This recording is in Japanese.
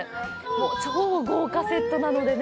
超豪華セットなのでね。